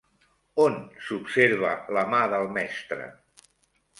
On s'observa la mà del mestre?